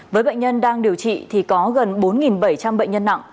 với bệnh nhân đang điều trị thì có gần bốn bảy trăm linh bệnh nhân nặng